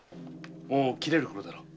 もう切れるころだろう。